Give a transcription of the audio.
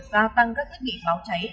và tăng các thiết bị báo cháy